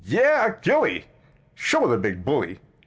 "Yea! Gilly!" "Show the big bully!"